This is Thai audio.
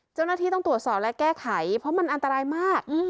เจ้าหน้าที่ต้องตรวจสอบและแก้ไขเพราะมันอันตรายมาก